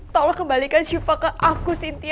tolong kembalikan syufah ke aku sintia